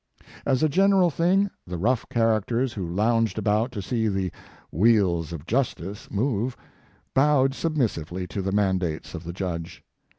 As a general thing the rough characters who lounged about to see the wheels of justice" move, bowed submissively to the mandates of the judge.